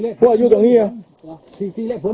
เราจะรู้มากเซ็มอ่ะ